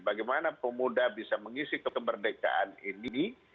bagaimana pemuda bisa mengisi ke kemerdekaan ini